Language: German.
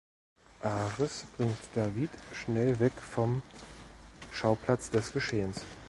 Ares bringt David schnell weg vom Schauplatz des Geschehens.